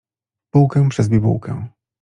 Bułkę przez bibułkę.